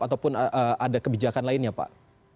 ataupun ada kebijakan lainnya pak